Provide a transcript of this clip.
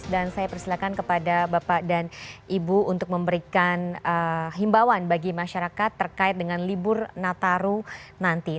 dan saya persilakan kepada bapak dan ibu untuk memberikan himbawan bagi masyarakat terkait dengan libur nataru nanti